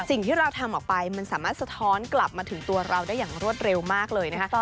สิ่งที่เราทำออกไปมันสามารถสะท้อนกลับมาถึงตัวเราได้อย่างรวดเร็วมากเลยนะคะ